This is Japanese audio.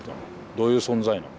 どういう存在なの？